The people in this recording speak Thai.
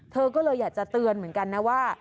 เธอก็เลยอยากจะเตือนเหมือนกันนะว่า